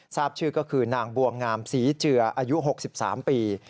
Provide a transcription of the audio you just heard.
ทราบชื่อก็คือนางบัวงามศรีเจืออายุ๖๓ปี